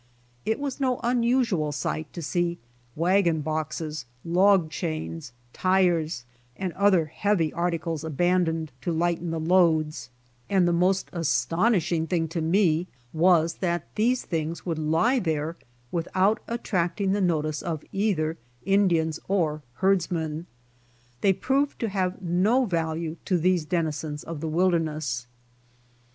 It was no unusual sight to see wagon boxes, log chains, tires and other heavy articles 92 BY ox TEAM TO CALIFORNIA abandoned to lighten the loads, and the most aston ishing thing to me was that these things would lie there without attracting the notice of either Indians or herdsmen. They proved to have no value to these denizens of the wilderness.